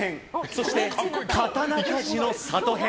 そして「刀鍛冶の里編」